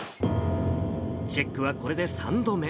チェックはこれで３度目。